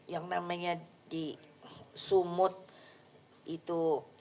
yang namanya di sumut itu